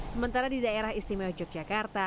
sementara di daerah istimewa yogyakarta